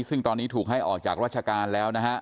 ซึ่งตอนนี้ถูกให้ออกจากราชการแล้วนะฮะ